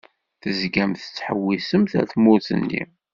Tezgamt tettḥewwisemt ar tmurt-nni.